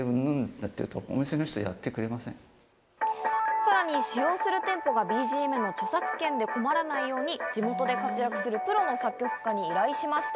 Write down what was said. さらに使用する店舗がＢＧＭの著作権で困らないように地元で活躍するプロの作曲家に依頼しました。